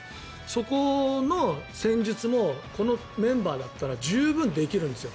そこの戦術もこのメンバーだったら十分できるんですよ。